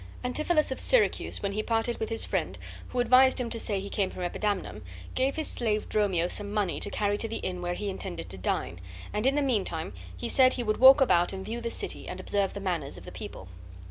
Antipholus of Syracuse, when he parted with his friend, who, advised him to say he came from Epidamnum, gave his slave Dromio some money to carry to the inn where he intended to dine, and in the mean time he said he would walk about and view the city and observe the manners of the people.